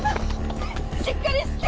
しっかりして！